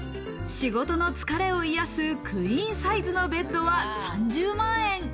仕事の疲れを癒やすクイーンサイズのベッドは３０万円。